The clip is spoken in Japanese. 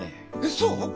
そう？